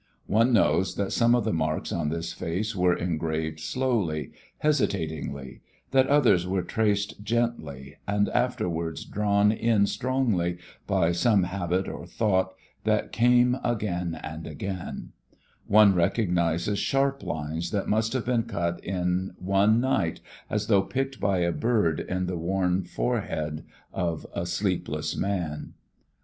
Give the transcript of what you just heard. One knows that some of the marks on this face were engraved slowly, hesitatingly, that others were traced gently and afterwards drawn in strongly by some habit or thought that came again and again; one recognizes sharp lines that must have been cut in one night, as though picked by a bird in the worn forehead of a sleepless man.